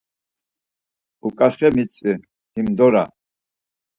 Uǩaçxe mitzvi himdora.